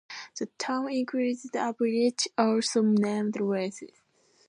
The town includes a village also named Lisle.